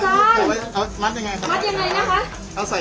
อ้าวอาจารย์เอ้ามัดยังไงมัดยังไงนะคะ